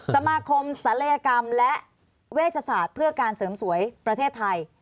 สมาคมศัลยกรรมและเวชศาสตร์เพื่อการเสริมสวยประเทศไทย